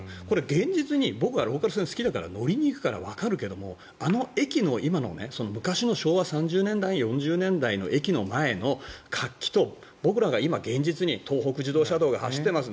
現実に僕はローカル線好きだから乗りに行くからわかるけどあの駅の昔の昭和３０年代、４０年代の駅の前の活気と僕らが今、現実に東北自動車道が走っています